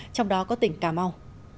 trong đó có tỉnh cà mau